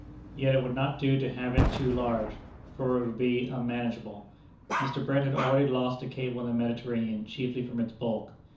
Yet it would not do to have it too large, for it would be unmanageable. Mr. Brett had already lost a cable in the Mediterranean chiefly from its bulk.